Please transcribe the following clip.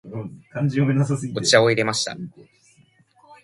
お茶を入れました。